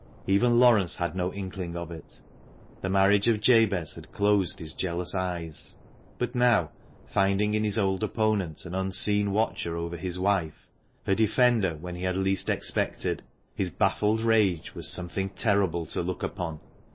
Even Laurence had no inkling of it ; the marriage of Jabez had closed his jealous eyes. But now, finding in his old opponent an unseen watcher over his wife — her defender when he had least expected — his baffled rage was something terrible to look upon.